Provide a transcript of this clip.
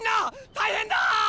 大変だァ！